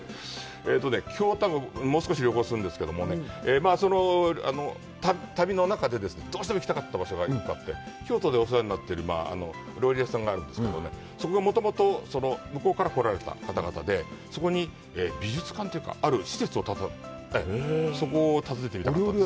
京丹後、もう少し旅行するんですけども、旅の中でどうしても行きたかった場所が１個あって、京都でお世話になってる料理屋さんがあるんですけど、そこがもともと向こうから来られた方々で、そこに美術館というか、ある施設を建てて、そこを訪ねてみたかったんです。